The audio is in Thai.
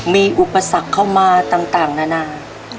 มีอุปสรรคเข้ามาต่างนานา